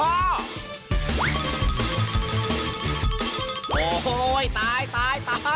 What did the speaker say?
โอ้โฮตายตาย